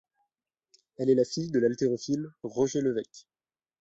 Elle est la fille de l'haltérophile Roger Levecq.